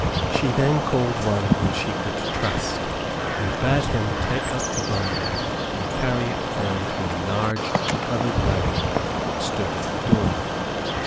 She then called one whom she could trust, and bade him take up the bundle and carry it down to a large covered wagon that stood at the door.